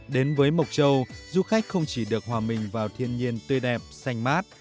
đến với mộc châu du khách không chỉ được hòa mình vào thiên nhiên tươi đẹp xanh mát